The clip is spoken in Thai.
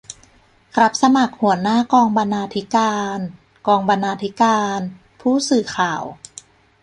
รับสมัครหัวหน้ากองบรรณาธิการ-กองบรรณาธิการ-ผู้สื่อข่าว